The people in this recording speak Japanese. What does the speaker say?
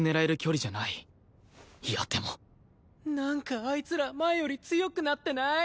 いやでもなんかあいつら前より強くなってない？